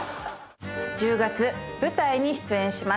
１０月舞台に出演します。